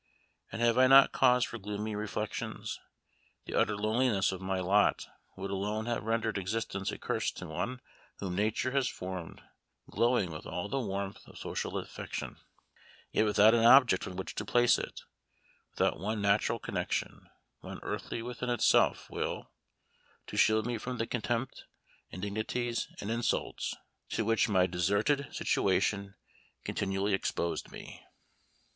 And have I not cause for gloomy reflections? The utter loneliness of my lot would alone have rendered existence a curse to one whom nature has formed glowing with all the warmth of social affection, yet without an object on which to place it without one natural connection, one earthly friend to appeal to, to shield me from the contempt, indignities, and insults, to which my deserted situation continually exposed me."